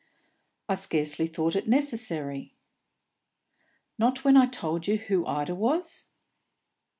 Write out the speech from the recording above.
"I scarcely thought it necessary." "Not when I told you who Ida was?"